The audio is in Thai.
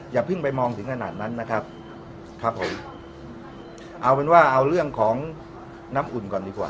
อย่าเพิ่งไปมองถึงขนาดนั้นนะครับครับผมเอาเป็นว่าเอาเรื่องของน้ำอุ่นก่อนดีกว่า